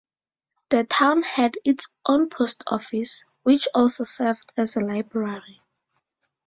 The town had its own post office, which also served as a library.